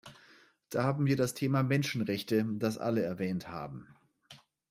Da haben wir das Thema Menschenrechte, das alle erwähnt haben.